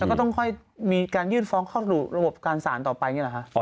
แล้วก็ต้องค่อยมีการยื่นฟ้องเข้าสู่ระบบการสารต่อไปอย่างนี้หรอคะ